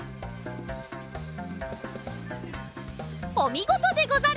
おみごとでござる！